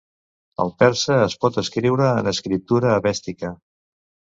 El persa es pot escriure en escriptura avèstica.